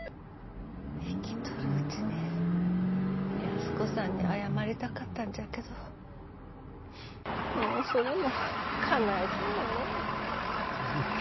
生きとるうちに安子さんに謝りたかったんじゃけどもうそれもかないそうもねえ。